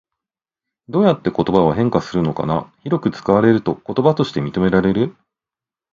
どうやって言葉は変化するのかな？広く使われると言葉として認められる？